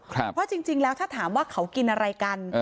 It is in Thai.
เพราะจริงแล้วถ้าถามว่าเขากินอะไรกัน